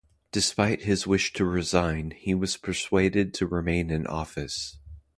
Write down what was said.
Despite his wish to resign, he was persuaded to remain in office.